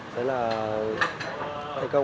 đấy là thành công